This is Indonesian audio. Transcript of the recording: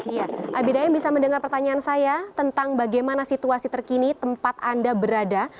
iya abidaem bisa mendengar pertanyaan saya tentang bagaimana situasi terkini tempat anda berada